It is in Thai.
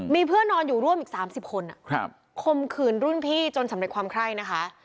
มีเพื่อนนอนอยู่ร่วมอีก๓๐คนคมขืนรุ่นพี่จนสำเร็จความไคร้นะคะ